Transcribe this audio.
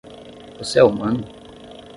você é humano?